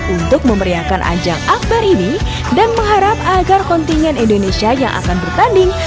untuk memeriahkan ajang akbar ini dan mengharap agar kontingen indonesia yang akan bertanding